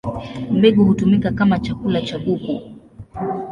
Mbegu hutumika kama chakula cha kuku.